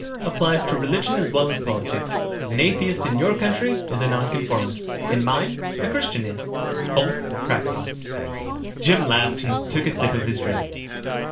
Applies to religion as well as politics. An atheist in your country is a nonconformist in mine, a Christian is. Both crackpots." Jim laughed and took a sip of his drink.